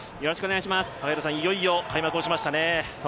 いよいよ開幕しましたね。